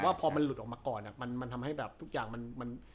ว่าพอมันหลุดออกมาก่อนมันทำให้แบบทุกอย่างมัน